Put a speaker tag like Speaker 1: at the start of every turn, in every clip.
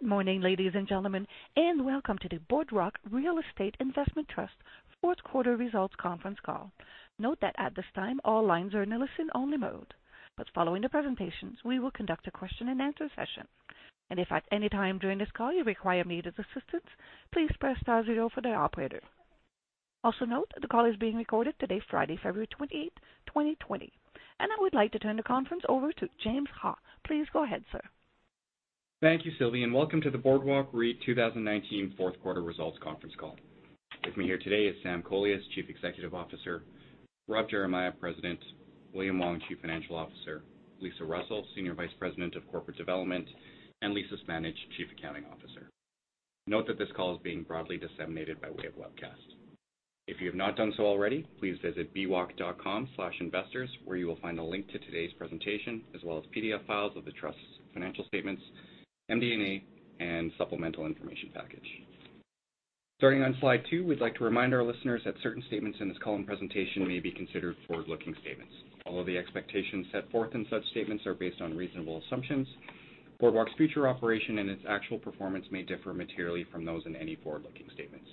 Speaker 1: Good morning, ladies and gentlemen, welcome to the Boardwalk Real Estate Investment Trust fourth quarter results conference call. Note that at this time, all lines are in a listen-only mode, but following the presentations, we will conduct a question-and-answer session. If at any time during this call you require immediate assistance, please press star zero for the operator. Also note, the call is being recorded today, Friday, February 28, 2020. I would like to turn the conference over to James Ha. Please go ahead, sir.
Speaker 2: Thank you, Sylvie, and welcome to the Boardwalk REIT 2019 fourth quarter results conference call. With me here today is Sam Kolias, Chief Executive Officer, Rob Geremia, President, William Wong, Chief Financial Officer, Lisa Russell, Senior Vice President of Corporate Development, and Lisa Smandych, Chief Accounting Officer. Note that this call is being broadly disseminated by way of webcast. If you have not done so already, please visit bwalk.com/investors, where you will find a link to today's presentation, as well as PDF files of the trust's financial statements, MD&A, and supplemental information package. Starting on slide two, we'd like to remind our listeners that certain statements in this call and presentation may be considered forward-looking statements. Although the expectations set forth in such statements are based on reasonable assumptions, Boardwalk's future operation and its actual performance may differ materially from those in any forward-looking statements.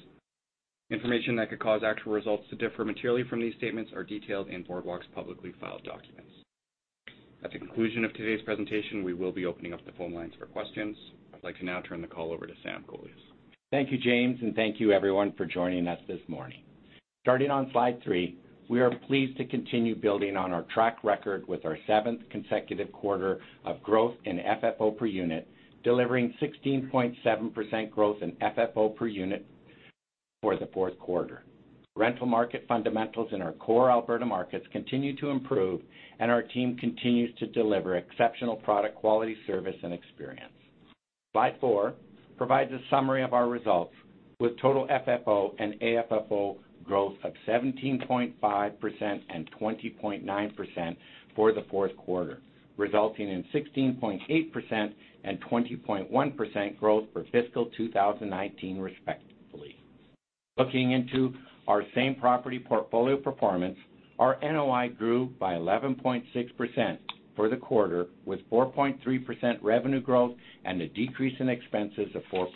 Speaker 2: Information that could cause actual results to differ materially from these statements are detailed in Boardwalk's publicly filed documents. At the conclusion of today's presentation, we will be opening up the phone lines for questions. I'd like to now turn the call over to Sam Kolias.
Speaker 3: Thank you, James, thank you everyone for joining us this morning. Starting on slide three, we are pleased to continue building on our track record with our seventh consecutive quarter of growth in FFO per unit, delivering 16.7% growth in FFO per unit for the fourth quarter. Rental market fundamentals in our core Alberta markets continue to improve, and our team continues to deliver exceptional product quality, service, and experience. Slide four provides a summary of our results with total FFO and AFFO growth of 17.5% and 20.9% for the fourth quarter, resulting in 16.8% and 20.1% growth for fiscal 2019, respectively. Looking into our same-property portfolio performance, our NOI grew by 11.6% for the quarter, with 4.3% revenue growth and a decrease in expenses of 4%.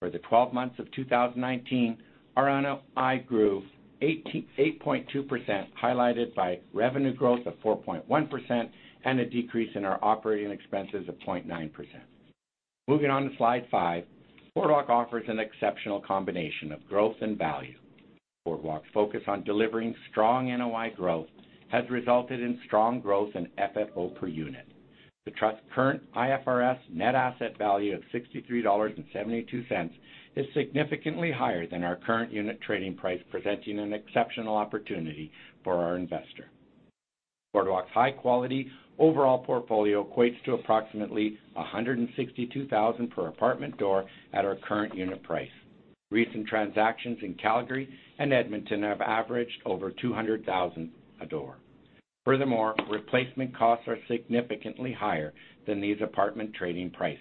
Speaker 3: For the 12 months of 2019, our NOI grew 8.2%, highlighted by revenue growth of 4.1% and a decrease in our operating expenses of 0.9%. Moving on to slide five, Boardwalk offers an exceptional combination of growth and value. Boardwalk's focus on delivering strong NOI growth has resulted in strong growth in FFO per unit. The trust's current IFRS net asset value of 63.72 dollars is significantly higher than our current unit trading price, presenting an exceptional opportunity for our investor. Boardwalk's high-quality overall portfolio equates to approximately 162,000 per apartment door at our current unit price. Recent transactions in Calgary and Edmonton have averaged over 200,000 a door. Furthermore, replacement costs are significantly higher than these apartment trading prices.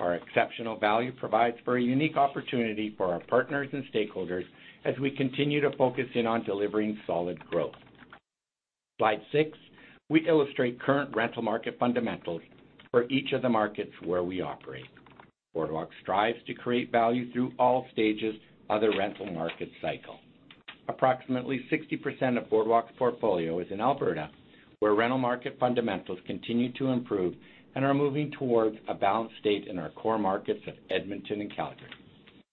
Speaker 3: Our exceptional value provides for a unique opportunity for our partners and stakeholders as we continue to focus in on delivering solid growth. Slide six, we illustrate current rental market fundamentals for each of the markets where we operate. Boardwalk strives to create value through all stages of the rental market cycle. Approximately 60% of Boardwalk's portfolio is in Alberta, where rental market fundamentals continue to improve and are moving towards a balanced state in our core markets of Edmonton and Calgary.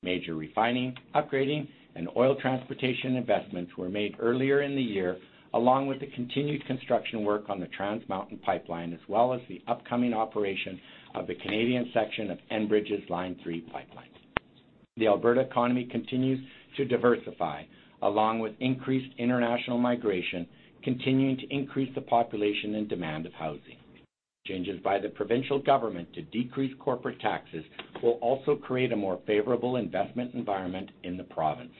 Speaker 3: Major refining, upgrading, and oil transportation investments were made earlier in the year, along with the continued construction work on the Trans Mountain pipeline, as well as the upcoming operation of the Canadian section of Enbridge's Line 3 pipeline. The Alberta economy continues to diversify, along with increased international migration, continuing to increase the population and demand of housing. Changes by the provincial government to decrease corporate taxes will also create a more favorable investment environment in the province.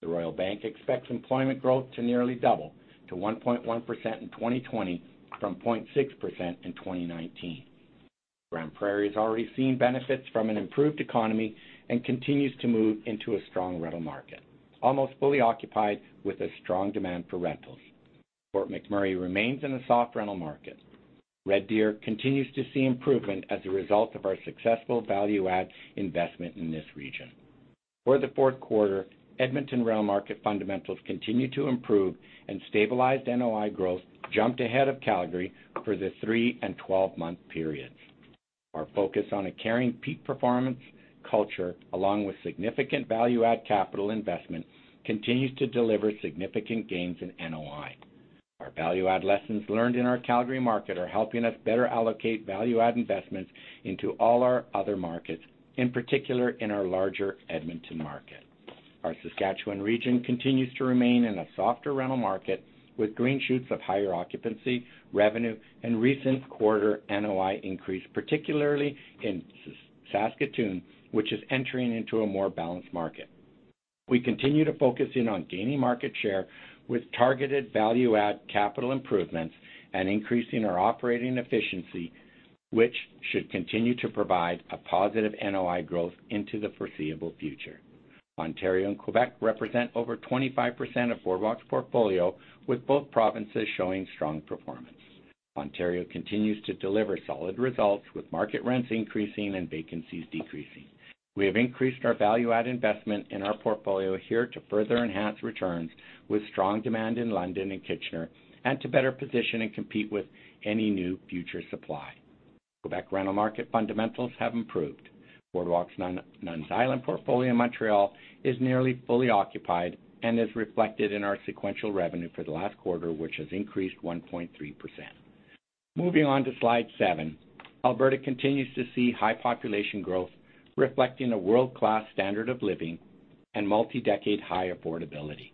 Speaker 3: The Royal Bank expects employment growth to nearly double to 1.1% in 2020 from 0.6% in 2019. Grande Prairie has already seen benefits from an improved economy and continues to move into a strong rental market, almost fully occupied with a strong demand for rentals. Fort McMurray remains in a soft rental market. Red Deer continues to see improvement as a result of our successful value-add investment in this region. For the fourth quarter, Edmonton rental market fundamentals continue to improve and stabilized NOI growth jumped ahead of Calgary for the three and 12-month periods. Our focus on a caring peak performance culture, along with significant value-add capital investment, continues to deliver significant gains in NOI. Our value-add lessons learned in our Calgary market are helping us better allocate value-add investments into all our other markets, in particular in our larger Edmonton market. Our Saskatchewan region continues to remain in a softer rental market with green shoots of higher occupancy, revenue, and recent quarter NOI increase, particularly in Saskatoon, which is entering into a more balanced market. We continue to focus in on gaining market share with targeted value-add capital improvements and increasing our operating efficiency, which should continue to provide a positive NOI growth into the foreseeable future. Ontario and Quebec represent over 25% of Boardwalk's portfolio, with both provinces showing strong performance. Ontario continues to deliver solid results, with market rents increasing and vacancies decreasing. We have increased our value add investment in our portfolio here to further enhance returns, with strong demand in London and Kitchener, and to better position and compete with any new future supply. Quebec rental market fundamentals have improved. Boardwalk's Nuns' Island portfolio in Montreal is nearly fully occupied and is reflected in our sequential revenue for the last quarter, which has increased 1.3%. Moving on to Slide seven. Alberta continues to see high population growth, reflecting a world-class standard of living and multi-decade high affordability.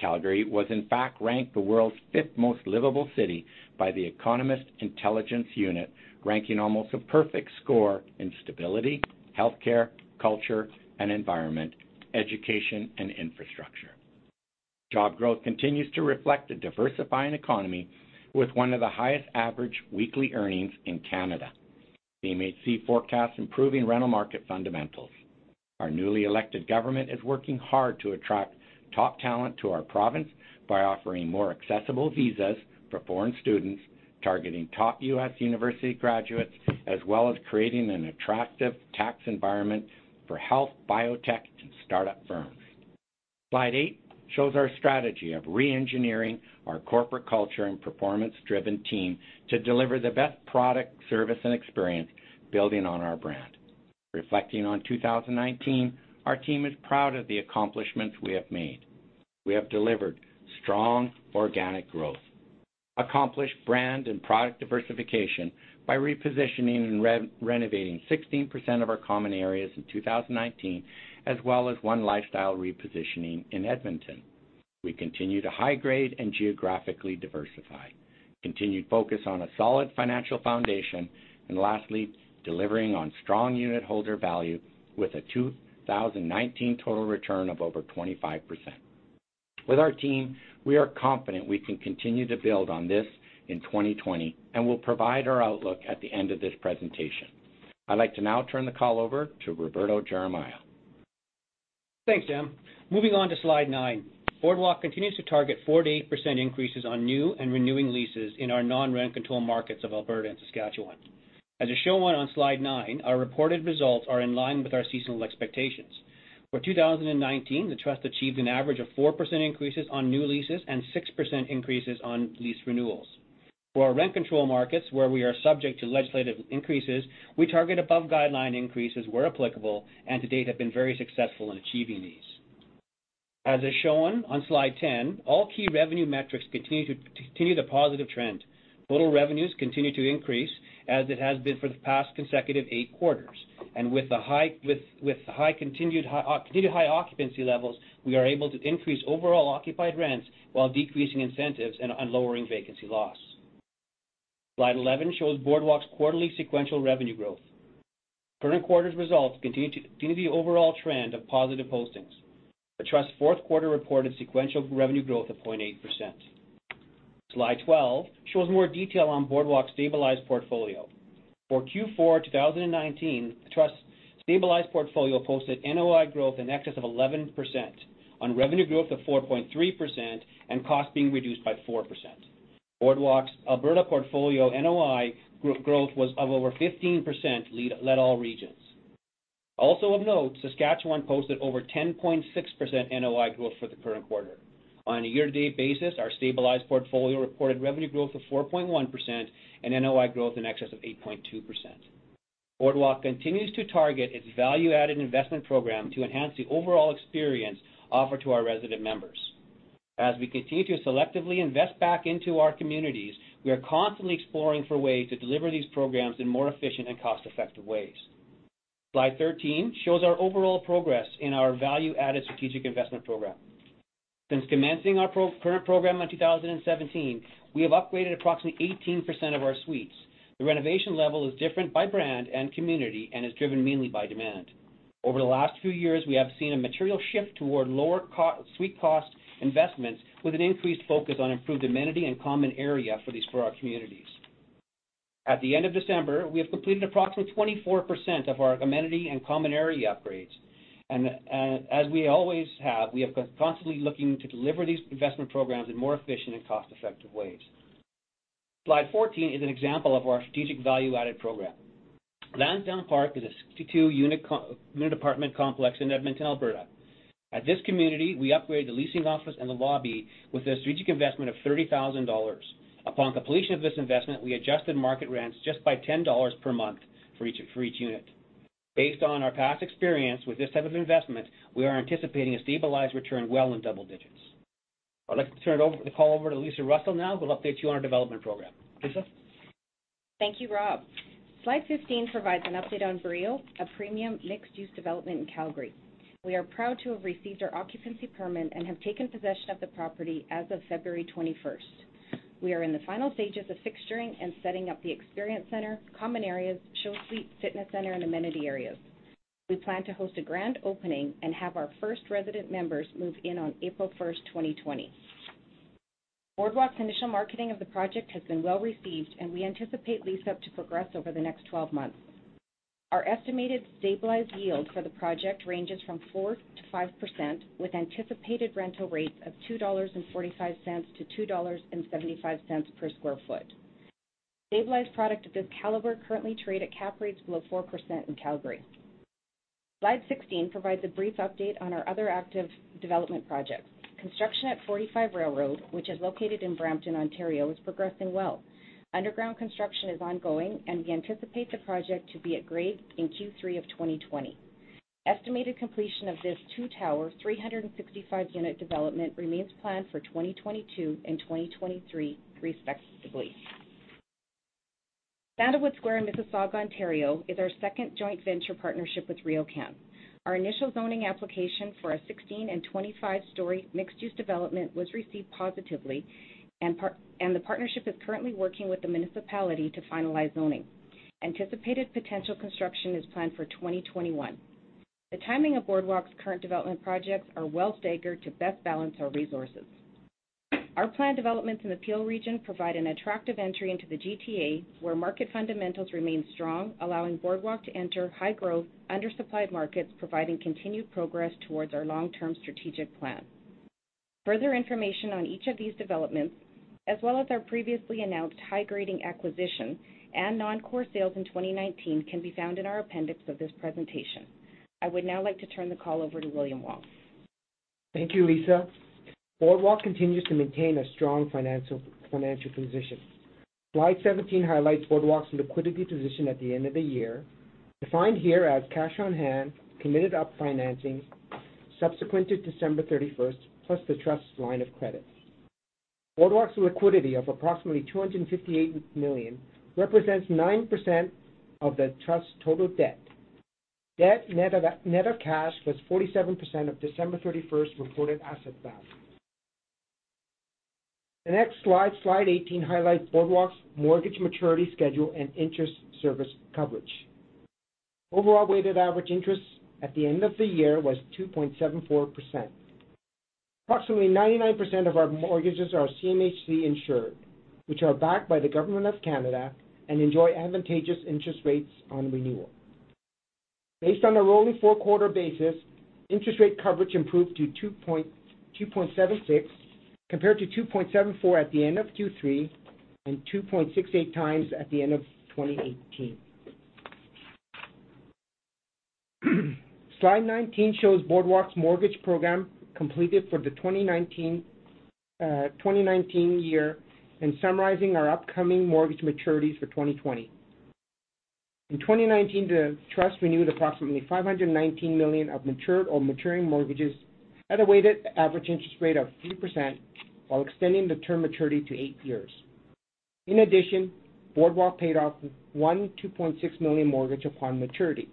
Speaker 3: Calgary was in fact ranked the world's fifth most livable city by the Economist Intelligence Unit, ranking almost a perfect score in stability, healthcare, culture and environment, education and infrastructure. Job growth continues to reflect a diversifying economy with one of the highest average weekly earnings in Canada. CMHC forecasts improving rental market fundamentals. Our newly elected government is working hard to attract top talent to our province by offering more accessible visas for foreign students, targeting top U.S. university graduates, as well as creating an attractive tax environment for health, biotech, and startup firms. Slide eight shows our strategy of re-engineering our corporate culture and performance-driven team to deliver the best product, service, and experience building on our brand. Reflecting on 2019, our team is proud of the accomplishments we have made. We have delivered strong organic growth, accomplished brand and product diversification by repositioning and renovating 16% of our common areas in 2019, as well as one lifestyle repositioning in Edmonton. We continue to high grade and geographically diversify, continued focus on a solid financial foundation, and lastly, delivering on strong unitholder value with a 2019 total return of over 25%. With our team, we are confident we can continue to build on this in 2020, and we'll provide our outlook at the end of this presentation. I'd like to now turn the call over to Roberto Geremia.
Speaker 4: Thanks, Sam. Moving on to Slide nine. Boardwalk continues to target 4%-8% increases on new and renewing leases in our non-rent-controlled markets of Alberta and Saskatchewan. As is shown on Slide nine, our reported results are in line with our seasonal expectations. For 2019, the Trust achieved an average of 4% increases on new leases and 6% increases on lease renewals. For our rent-controlled markets, where we are subject to legislative increases, we target above-guideline increases where applicable, and to date have been very successful in achieving these. As is shown on Slide 10, all key revenue metrics continue the positive trend. Total revenues continue to increase, as it has been for the past consecutive eight quarters. With continued high occupancy levels, we are able to increase overall occupied rents while decreasing incentives and lowering vacancy loss. Slide 11 shows Boardwalk's quarterly sequential revenue growth. Current quarter's results continue the overall trend of positive postings. The trust's fourth quarter reported sequential revenue growth of 0.8%. Slide 12 shows more detail on Boardwalk's stabilized portfolio. For Q4 2019, the trust's stabilized portfolio posted NOI growth in excess of 11% on revenue growth of 4.3% and cost being reduced by 4%. Boardwalk's Alberta portfolio NOI growth was of over 15%, led all regions. Also of note, Saskatchewan posted over 10.6% NOI growth for the current quarter. On a year-to-date basis, our stabilized portfolio reported revenue growth of 4.1% and NOI growth in excess of 8.2%. Boardwalk continues to target its value-added investment program to enhance the overall experience offered to our resident members. As we continue to selectively invest back into our communities, we are constantly exploring for ways to deliver these programs in more efficient and cost-effective ways. Slide 13 shows our overall progress in our value-added strategic investment program. Since commencing our current program in 2017, we have upgraded approximately 18% of our suites. The renovation level is different by brand and community and is driven mainly by demand. Over the last few years, we have seen a material shift toward lower suite cost investments, with an increased focus on improved amenity and common area for our communities. At the end of December, we have completed approximately 24% of our amenity and common area upgrades. As we always have, we are constantly looking to deliver these investment programs in more efficient and cost-effective ways. Slide 14 is an example of our strategic value-added program. Lansdowne Park is a 62-unit apartment complex in Edmonton, Alberta. At this community, we upgraded the leasing office and the lobby with a strategic investment of 30,000 dollars. Upon completion of this investment, we adjusted market rents just by 10 dollars per month for each unit. Based on our past experience with this type of investment, we are anticipating a stabilized return well in double digits. I would like to turn the call over to Lisa Russell now, who will update you on our development program. Lisa?
Speaker 5: Thank you, Rob. Slide 15 provides an update on Brio, a premium mixed-use development in Calgary. We are proud to have received our occupancy permit and have taken possession of the property as of February 21st. We are in the final stages of fixturing and setting up the experience center, common areas, show suite, fitness center, and amenity areas. We plan to host a grand opening and have our first resident members move in on April 1st, 2020. Boardwalk's initial marketing of the project has been well-received, and we anticipate lease-up to progress over the next 12 months. Our estimated stabilized yield for the project ranges from 4%-5%, with anticipated rental rates of 2.45-2.75 dollars per square foot. Stabilized product of this caliber currently trade at cap rates below 4% in Calgary. Slide 16 provides a brief update on our other active development projects. Construction at 45 Railroad, which is located in Brampton, Ontario, is progressing well. Underground construction is ongoing, and we anticipate the project to be at grade in Q3 of 2020. Estimated completion of this two-tower, 365-unit development remains planned for 2022 and 2023 respectively. Westwood Square in Mississauga, Ontario, is our second joint venture partnership with RioCan. Our initial zoning application for a 16- and 25-story mixed-use development was received positively, and the partnership is currently working with the municipality to finalize zoning. Anticipated potential construction is planned for 2021. The timing of Boardwalk's current development projects are well-staggered to best balance our resources. Our planned developments in the Peel region provide an attractive entry into the GTA where market fundamentals remain strong, allowing Boardwalk to enter high-growth, under-supplied markets, providing continued progress towards our long-term strategic plan. Further information on each of these developments, as well as our previously announced high-grading acquisition and non-core sales in 2019 can be found in our appendix of this presentation. I would now like to turn the call over to William Wong.
Speaker 6: Thank you, Lisa. Boardwalk continues to maintain a strong financial position. Slide 17 highlights Boardwalk's liquidity position at the end of the year, defined here as cash on hand, committed up financing subsequent to December 31st, plus the trust's line of credit. Boardwalk's liquidity of approximately 258 million represents 9% of the trust's total debt. Debt net of cash was 47% of December 31st reported asset value. The next slide 18, highlights Boardwalk's mortgage maturity schedule and interest service coverage. Overall weighted average interest at the end of the year was 2.74%. Approximately 99% of our mortgages are CMHC-insured, which are backed by the government of Canada and enjoy advantageous interest rates on renewal. Based on a rolling four-quarter basis, interest rate coverage improved to 2.76x, compared to 2.74x at the end of Q3 and 2.68x at the end of 2018. Slide 19 shows Boardwalk's mortgage program completed for the 2019 year and summarizing our upcoming mortgage maturities for 2020. In 2019, the trust renewed approximately 519 million of matured or maturing mortgages at a weighted average interest rate of 3% while extending the term maturity to eight years. In addition, Boardwalk paid off one 2.6 million mortgage upon maturity.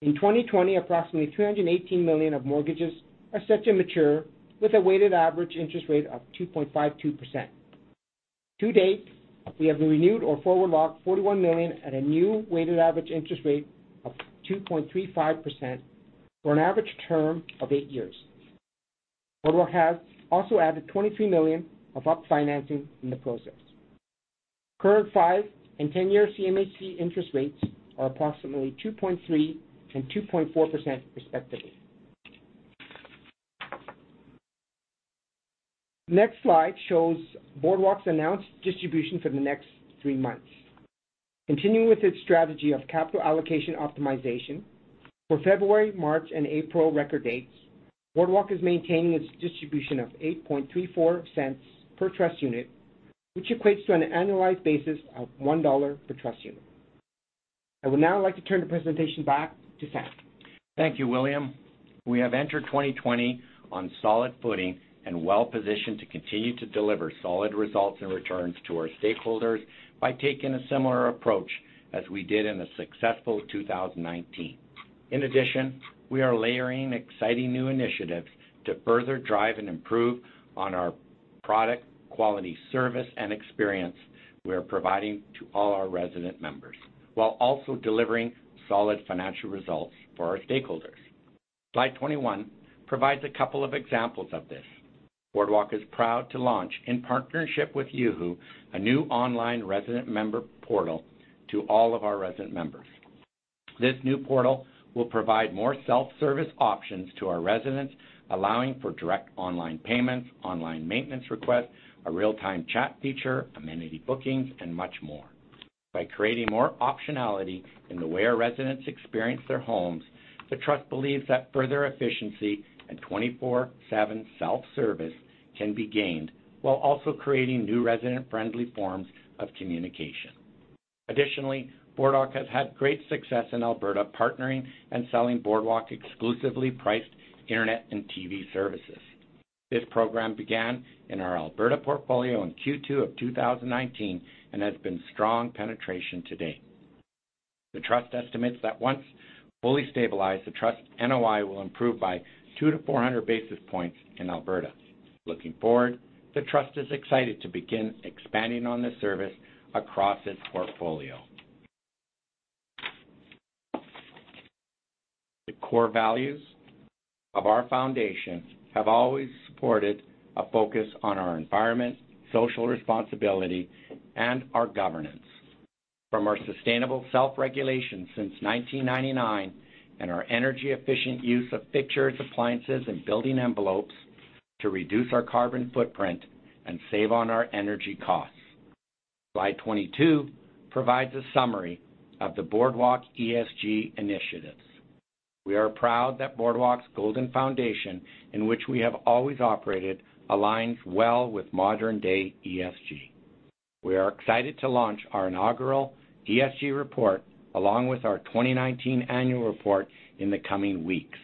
Speaker 6: In 2020, approximately 318 million of mortgages are set to mature with a weighted average interest rate of 2.52%. To date, we have renewed or forward-locked 41 million at a new weighted average interest rate of 2.35% for an average term of eight years. Boardwalk has also added 23 million of up financing in the process. Current five and 10-year CMHC interest rates are approximately 2.3% and 2.4% respectively. Next slide shows Boardwalk's announced distribution for the next three months. Continuing with its strategy of capital allocation optimization, for February, March, and April record dates, Boardwalk is maintaining its distribution of 0.0834 per trust unit, which equates to an annualized basis of 1 dollar per trust unit. I would now like to turn the presentation back to Sam.
Speaker 3: Thank you, William. We have entered 2020 on solid footing and well-positioned to continue to deliver solid results and returns to our stakeholders by taking a similar approach as we did in a successful 2019. In addition, we are layering exciting new initiatives to further drive and improve on our product, quality, service, and experience we are providing to all our resident members while also delivering solid financial results for our stakeholders. Slide 21 provides a couple of examples of this. Boardwalk is proud to launch, in partnership with Yuhu, a new online resident member portal to all of our resident members. This new portal will provide more self-service options to our residents, allowing for direct online payments, online maintenance requests, a real-time chat feature, amenity bookings, and much more. By creating more optionality in the way our residents experience their homes, the trust believes that further efficiency and 24/7 self-service can be gained while also creating new resident-friendly forms of communication. Additionally, Boardwalk has had great success in Alberta partnering and selling Boardwalk exclusively priced internet and TV services. This program began in our Alberta portfolio in Q2 of 2019 and has been strong penetration to date. The trust estimates that once fully stabilized, the trust's NOI will improve by 200 to 400 basis points in Alberta. Looking forward, the trust is excited to begin expanding on this service across its portfolio. Core values of our foundation have always supported a focus on our environment, social responsibility, and our governance. From our sustainable self-regulation since 1999 and our energy efficient use of fixtures, appliances, and building envelopes to reduce our carbon footprint and save on our energy costs. Slide 22 provides a summary of the Boardwalk ESG initiatives. We are proud that Boardwalk's golden foundation, in which we have always operated, aligns well with modern-day ESG. We are excited to launch our inaugural ESG report along with our 2019 annual report in the coming weeks.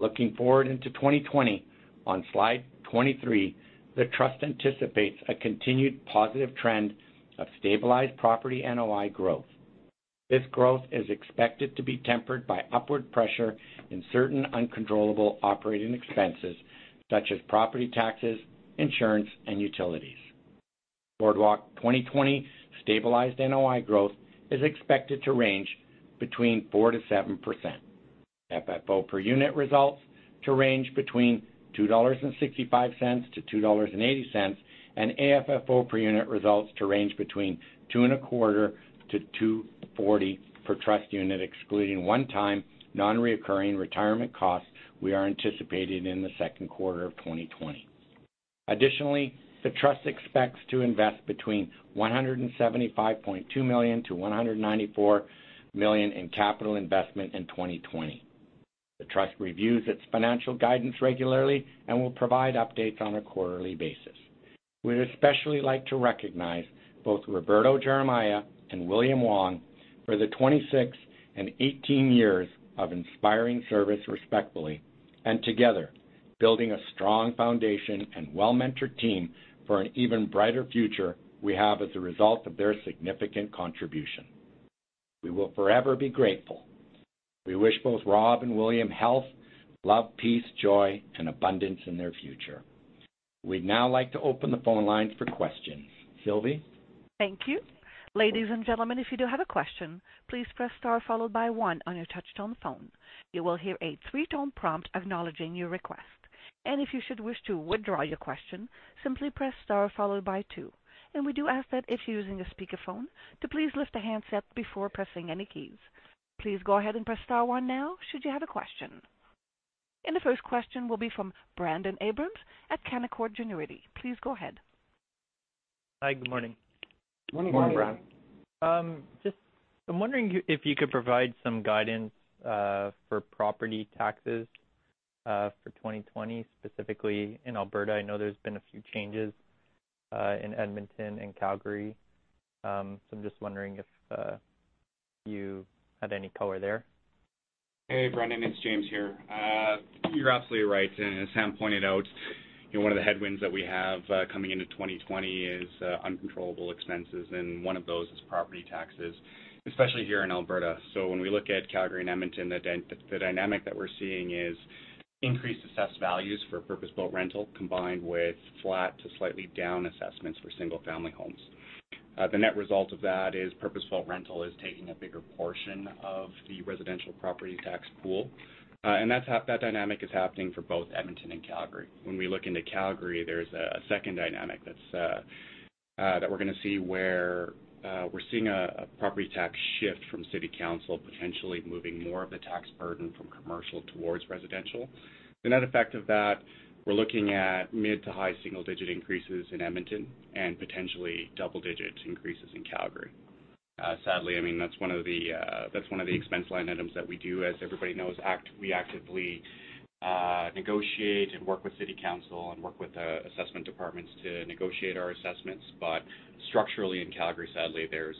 Speaker 3: Looking forward into 2020, on Slide 23, the trust anticipates a continued positive trend of stabilized property NOI growth. This growth is expected to be tempered by upward pressure in certain uncontrollable operating expenses, such as property taxes, insurance, and utilities. Boardwalk 2020 stabilized NOI growth is expected to range between 4% to 7%. FFO per unit results to range between 2.65-2.80 dollars, and AFFO per unit results to range between 2.25-2.40 per trust unit, excluding one-time non-recurring retirement costs we are anticipating in the second quarter of 2020. Additionally, the trust expects to invest between 175.2 million-194 million in capital investment in 2020. The trust reviews its financial guidance regularly and will provide updates on a quarterly basis. We'd especially like to recognize both Roberto Geremia and William Wong for the 26 and 18 years of inspiring service respectfully, and together building a strong foundation and well-mentored team for an even brighter future we have as a result of their significant contribution. We will forever be grateful. We wish both Rob and William health, love, peace, joy, and abundance in their future. We'd now like to open the phone lines for questions. Sylvie?
Speaker 1: Thank you. Ladies and gentlemen, if you do have a question, please press star followed by one on your touch-tone phone. You will hear a three-tone prompt acknowledging your request. If you should wish to withdraw your question, simply press star followed by two. We do ask that if you're using a speakerphone, to please lift the handset before pressing any keys. Please go ahead and press star one now should you have a question. The first question will be from Brandon Abrams at Canaccord Genuity. Please go ahead.
Speaker 7: Hi. Good morning.
Speaker 3: Morning, Brandon.
Speaker 7: I'm wondering if you could provide some guidance for property taxes for 2020, specifically in Alberta. I know there's been a few changes in Edmonton and Calgary. I'm just wondering if you had any color there.
Speaker 2: Hey, Brandon. It's James here. You're absolutely right. As Sam pointed out, one of the headwinds that we have coming into 2020 is uncontrollable expenses, and one of those is property taxes, especially here in Alberta. When we look at Calgary and Edmonton, the dynamic that we're seeing is increased assessed values for purpose-built rental, combined with flat to slightly down assessments for single-family homes. The net result of that is purpose-built rental is taking a bigger portion of the residential property tax pool. That dynamic is happening for both Edmonton and Calgary. When we look into Calgary, there's a second dynamic that we're going to see where we're seeing a property tax shift from city council, potentially moving more of the tax burden from commercial towards residential. The net effect of that, we're looking at mid to high single-digit increases in Edmonton and potentially double-digit increases in Calgary. Sadly, that's one of the expense line items that we do, as everybody knows, we actively negotiate and work with city council and work with assessment departments to negotiate our assessments. Structurally in Calgary, sadly, there's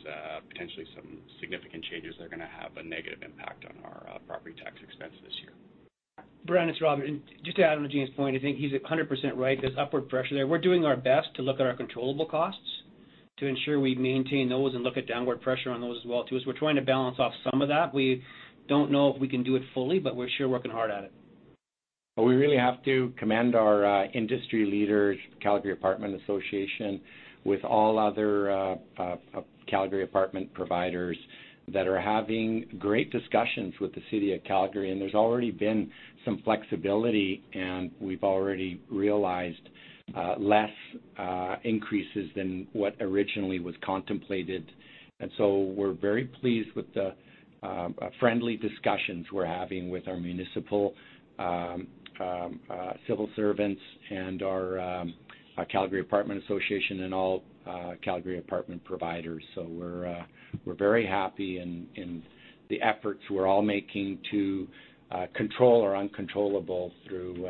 Speaker 2: potentially some significant changes that are going to have a negative impact on our property tax expense this year.
Speaker 4: Brandon, it's Rob. Just to add on to James' point, I think he's 100% right. There's upward pressure there. We're doing our best to look at our controllable costs to ensure we maintain those and look at downward pressure on those as well too, as we're trying to balance off some of that. We don't know if we can do it fully, but we're sure working hard at it.
Speaker 3: We really have to commend our industry leaders, Calgary Residential Rental Association, with all other Calgary apartment providers that are having great discussions with the City of Calgary. There's already been some flexibility, and we've already realized less increases than what originally was contemplated. We're very pleased with the friendly discussions we're having with our municipal civil servants and our Calgary Residential Rental Association and all Calgary apartment providers. We're very happy in the efforts we're all making to control our uncontrollable through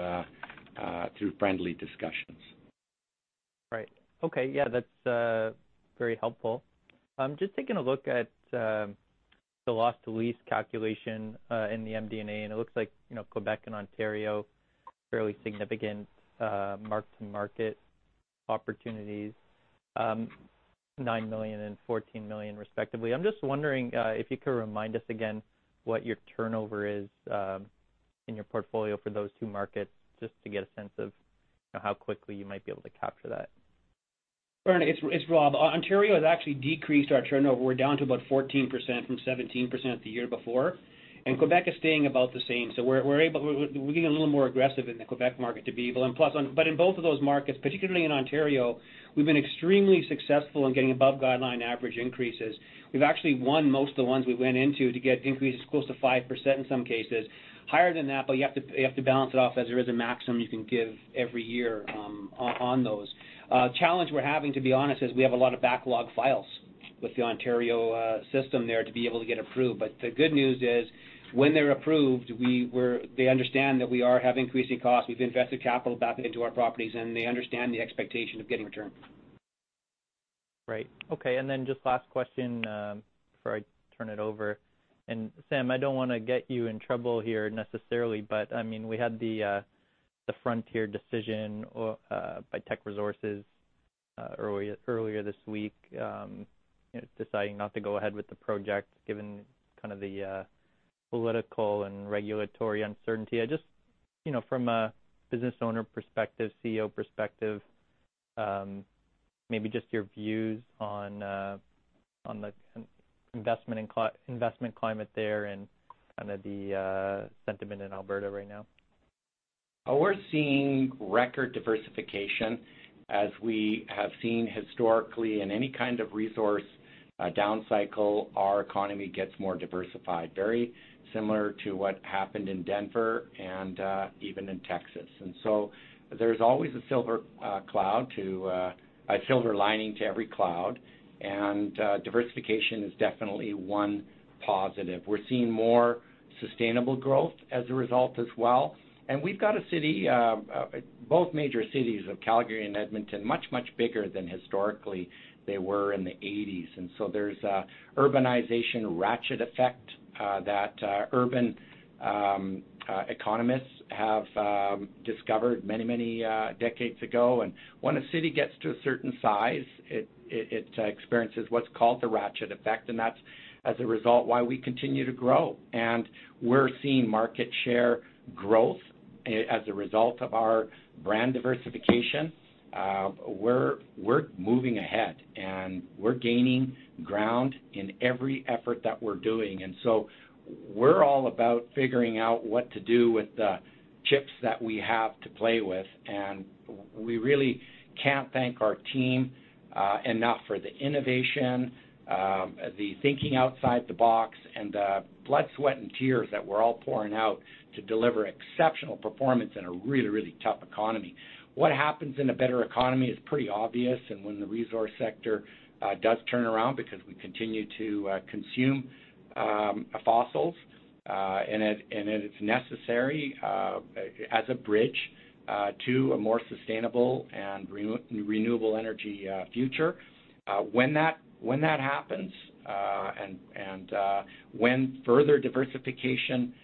Speaker 3: friendly discussions.
Speaker 7: Right. Okay. Yeah, that's very helpful. Just taking a look at the loss to lease calculation in the MD&A, and it looks like Quebec and Ontario, fairly significant mark-to-market opportunities, 9 million and 14 million respectively. I'm just wondering if you could remind us again what your turnover is in your portfolio for those two markets, just to get a sense of how quickly you might be able to capture that.
Speaker 4: Bran, it's Rob. Ontario has actually decreased our turnover. We're down to about 14% from 17% the year before. Quebec is staying about the same. We're getting a little more aggressive in the Quebec market to be able. In both of those markets, particularly in Ontario, we've been extremely successful in getting above-guideline average increases. We've actually won most of the ones we went into to get increases close to 5% in some cases. Higher than that, you have to balance it off as there is a maximum you can give every year on those. A challenge we're having, to be honest, is we have a lot of backlog files with the Ontario system there to be able to get approved. The good news is, when they're approved, they understand that we are having increasing costs. We've invested capital back into our properties, and they understand the expectation of getting a return.
Speaker 7: Right. Okay. Then just last question before I turn it over. Sam, I don't want to get you in trouble here necessarily, but we had the Frontier Project decision by Teck Resources earlier this week, deciding not to go ahead with the project, given the political and regulatory uncertainty. From a business owner perspective, CEO perspective, maybe just your views on the investment climate there and the sentiment in Alberta right now.
Speaker 3: We're seeing record diversification. As we have seen historically, in any kind of resource down cycle, our economy gets more diversified, very similar to what happened in Denver and even in Texas. There's always a silver lining to every cloud, and diversification is definitely one positive. We're seeing more sustainable growth as a result as well. We've got both major cities of Calgary and Edmonton much, much bigger than historically they were in the '80s. There's a urbanization ratchet effect that urban economists have discovered many decades ago. When a city gets to a certain size, it experiences what's called the ratchet effect, and that's as a result why we continue to grow. We're seeing market share growth as a result of our brand diversification. We're moving ahead, and we're gaining ground in every effort that we're doing. We're all about figuring out what to do with the chips that we have to play with. We really can't thank our team enough for the innovation, the thinking outside the box, and the blood, sweat, and tears that we're all pouring out to deliver exceptional performance in a really, really tough economy. What happens in a better economy is pretty obvious. When the resource sector does turn around, because we continue to consume fossils, and it's necessary as a bridge to a more sustainable and renewable energy future. When that happens, and when further diversification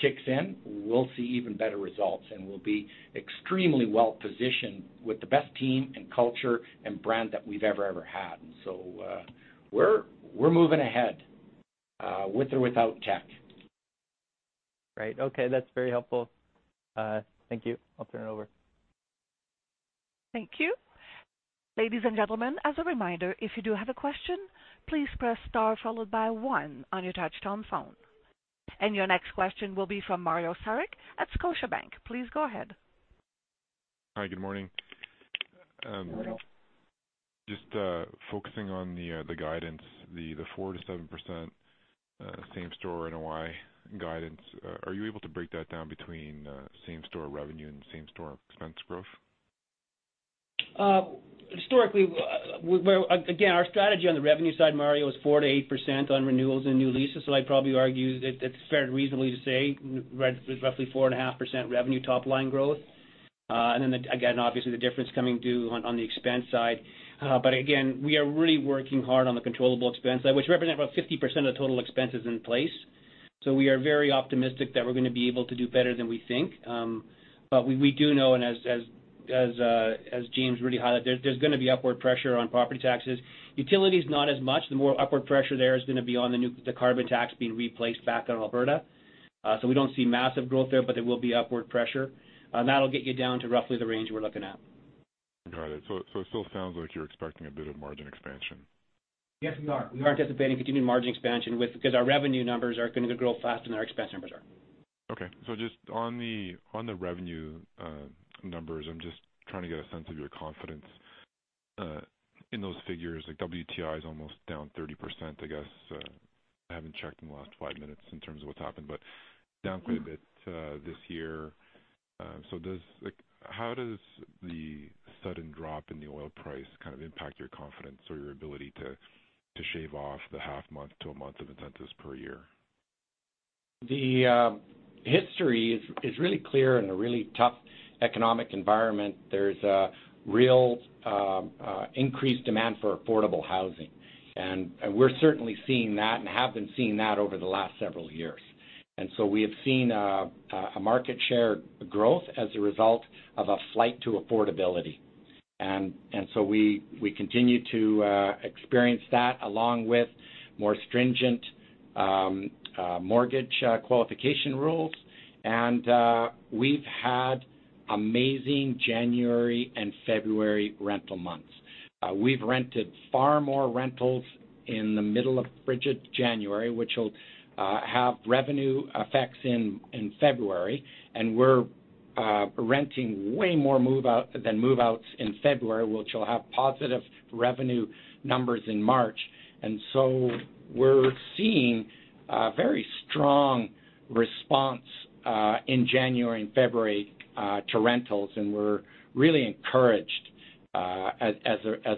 Speaker 3: kicks in, we'll see even better results, and we'll be extremely well-positioned with the best team and culture and brand that we've ever had. We're moving ahead, with or without Teck.
Speaker 7: Great. Okay. That's very helpful. Thank you. I'll turn it over.
Speaker 1: Thank you. Ladies and gentlemen, as a reminder, if you do have a question, please press star followed by one on your touch-tone phone. Your next question will be from Mario Saric at Scotiabank. Please go ahead.
Speaker 8: Hi, good morning.
Speaker 3: Good morning.
Speaker 8: Just focusing on the guidance, the 4%-7% same-store NOI guidance. Are you able to break that down between same-store revenue and same-store expense growth?
Speaker 4: Historically, again, our strategy on the revenue side, Mario, is 4%-8% on renewals and new leases. I'd probably argue that it's fair and reasonable to say roughly 4.5% revenue top-line growth. Again, obviously, the difference coming due on the expense side. Again, we are really working hard on the controllable expense side, which represent about 50% of the total expenses in place. We are very optimistic that we're going to be able to do better than we think. We do know, and as James really highlighted, there's going to be upward pressure on property taxes. Utilities, not as much. The more upward pressure there is going to be on the carbon tax being replaced back on Alberta. We don't see massive growth there, but there will be upward pressure. That'll get you down to roughly the range we're looking at.
Speaker 8: Got it. It still sounds like you're expecting a bit of margin expansion.
Speaker 4: Yes, we are. We are anticipating continued margin expansion because our revenue numbers are going to grow faster than our expense numbers are.
Speaker 8: Okay. Just on the revenue numbers, I'm just trying to get a sense of your confidence in those figures. WTI is almost down 30%, I guess. I haven't checked in the last five minutes in terms of what's happened. Down quite a bit this year. How does the sudden drop in the oil price kind of impact your confidence or your ability to shave off the half month to a month of incentives per year?
Speaker 3: The history is really clear. In a really tough economic environment, there's a real increased demand for affordable housing. We're certainly seeing that and have been seeing that over the last several years. We have seen a market share growth as a result of a flight to affordability. We continue to experience that along with more stringent mortgage qualification rules. We've had amazing January and February rental months. We've rented far more rentals in the middle of frigid January, which will have revenue effects in February, and we're renting way more than move-outs in February, which will have positive revenue numbers in March. We're seeing a very strong response in January and February to rentals, and we're really encouraged as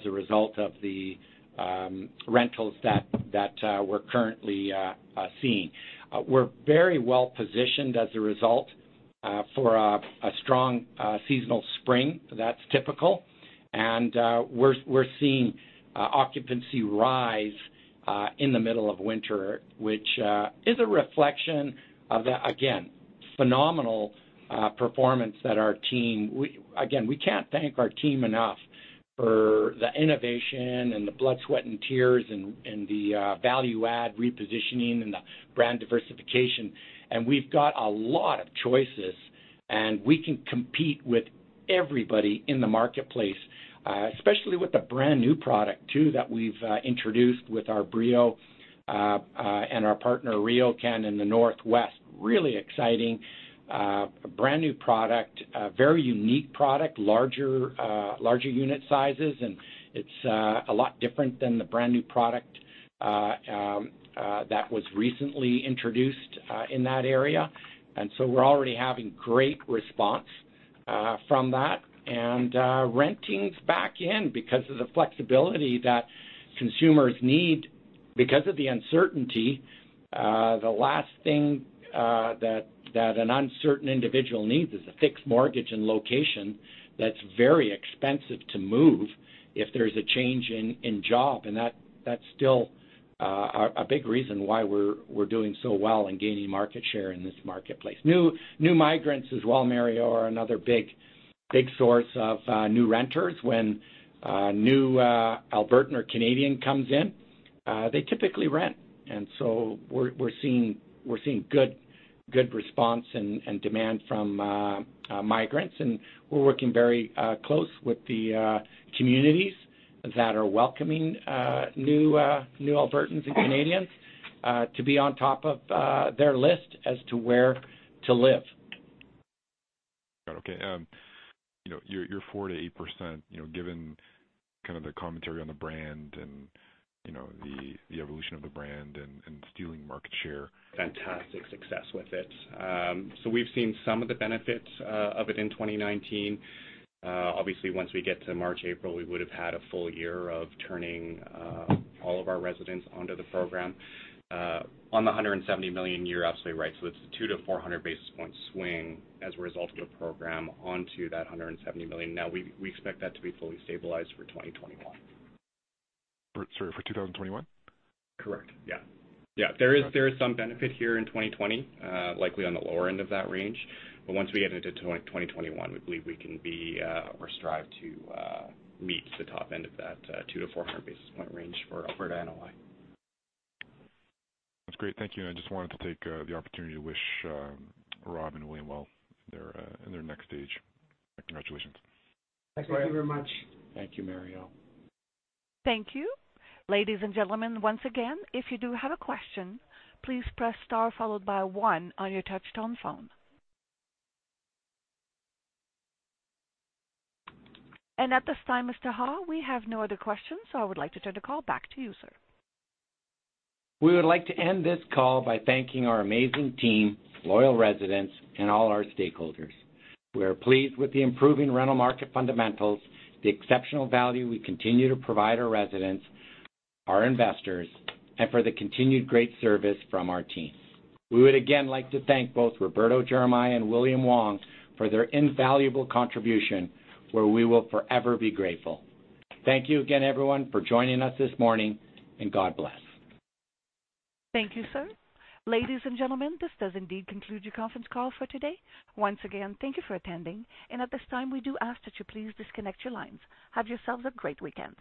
Speaker 3: a result of the rentals that we're currently seeing. We're very well-positioned as a result for a strong seasonal spring. That's typical. We're seeing occupancy rise in the middle of winter, which is a reflection of the, again, phenomenal performance that our team. We can't thank our team enough for the innovation and the blood, sweat, and tears and the value-add repositioning and the brand diversification. We've got a lot of choices, and we can compete with everybody in the marketplace, especially with the brand-new product, too, that we've introduced with our Brio and our partner, RioCan, in the Northwest. Really exciting brand-new product, a very unique product, larger unit sizes, and it's a lot different than the brand-new product that was recently introduced in that area. We're already having great response from that. Renting's back in because of the flexibility that consumers need because of the uncertainty. The last thing that an uncertain individual needs is a fixed mortgage and location that's very expensive to move if there's a change in job. That's still a big reason why we're doing so well and gaining market share in this marketplace. New migrants as well, Mario, are another big source of new renters. When a new Albertan or Canadian comes in, they typically rent. So we're seeing good response and demand from migrants, and we're working very close with the communities that are welcoming new Albertans and Canadians to be on top of their list as to where to live.
Speaker 8: Got it. Okay. Your 4%-8%, given kind of the commentary on the brand and the evolution of the brand and stealing market share.
Speaker 2: Fantastic success with it. We've seen some of the benefits of it in 2019. Obviously, once we get to March, April, we would've had a full year of turning all of our residents onto the program. On the 170 million, you're absolutely right. It's a 200 to 400 basis point swing as a result of the program onto that 170 million. We expect that to be fully stabilized for 2021.
Speaker 8: Sorry, for 2021?
Speaker 2: Correct. Yeah. There is some benefit here in 2020, likely on the lower end of that range. Once we get into 2021, we believe we can be or strive to meet the top end of that 200 to 400 basis point range for Alberta NOI.
Speaker 8: That's great. Thank you. I just wanted to take the opportunity to wish Rob and William well in their next stage. Congratulations.
Speaker 4: Thank you very much.
Speaker 6: Thank you, Mario.
Speaker 1: Thank you. Ladies and gentlemen, once again, if you do have a question, please press star followed by one on your touch-tone phone. At this time, Mr. Ha, we have no other questions, so I would like to turn the call back to you, sir.
Speaker 2: We would like to end this call by thanking our amazing team, loyal residents, and all our stakeholders. We are pleased with the improving rental market fundamentals, the exceptional value we continue to provide our residents, our investors, and for the continued great service from our team. We would again like to thank both Roberto Geremia and William Wong for their invaluable contribution, where we will forever be grateful. Thank you again, everyone, for joining us this morning. God bless.
Speaker 1: Thank you, sir. Ladies and gentlemen, this does indeed conclude your conference call for today. Once again, thank you for attending, and at this time, we do ask that you please disconnect your lines. Have yourselves a great weekend.